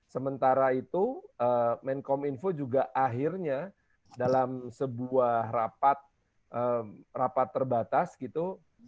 sementara itu menkom info juga akhirnya dalam sebuah rapat terbatas gitu